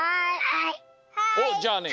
おっじゃあね